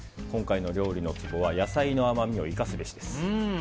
今回の料理のツボは野菜の甘みを活かすべしです。